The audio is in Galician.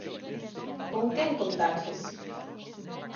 Con quen contaches?